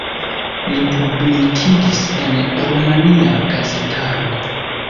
Li publikigis en rumania gazetaro.